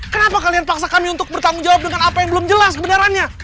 kenapa kalian paksa kami untuk bertanggung jawab dengan apa yang belum jelas kebenarannya